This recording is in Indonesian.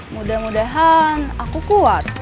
mudah mudahan aku kuat